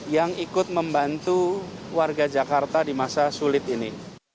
yang ikut membantu warga jakarta di masa sulit ini